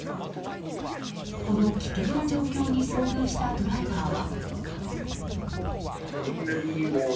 この危険な状況に遭遇したドライバーは。